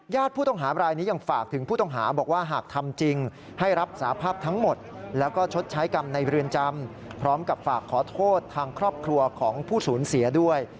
ผู้ต้องหาบรายนี้ยังฝากถึงผู้ต้องหาบอกว่าหากทำจริงให้รับสาภาพทั้งหมดแล้วก็ชดใช้กรรมในเรือนจำพร้อมกับฝากขอโทษทางครอบครัวของผู้สูญเสียด้วย